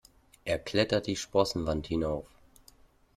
Er klettert die Sprossenwand hinauf.